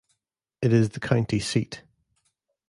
It is the county seat.